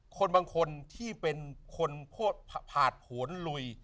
คนบางคนที่เป็นคนผ่านผลลุย